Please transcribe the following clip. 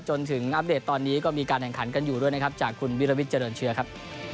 จนถึงอัปเดตตอนนี้ก็มีการแข่งขันกันอยู่ด้วยนะครับจากคุณวิรวิทย์เจริญเชื้อครับ